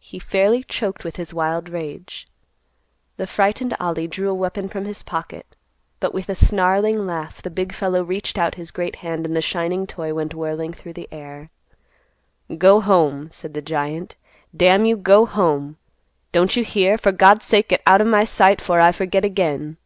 He fairly choked with his wild rage. The frightened Ollie drew a weapon from his pocket, but, with a snarling laugh, the big fellow reached out his great hand and the shining toy went whirling through the air. "Go home," said the giant. "Damn you, go home! Don't you hear? For God's sake get out o' my sight 'fore I forget again!"